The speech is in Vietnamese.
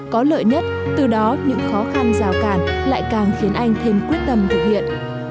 có lợi nhất từ đó những khó khăn rào cản lại càng khiến anh thêm quyết tâm thực hiện